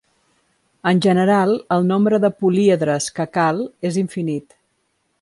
En general el nombre de políedres que cal és infinit.